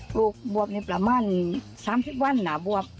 ลูกบวบนี้ประมาณ๓๐วันนะบวบ